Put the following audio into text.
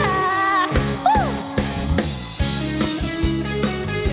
ฮุยฮาฮุยฮารอบนี้ดูทางเวที